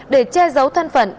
để che giấu thân phận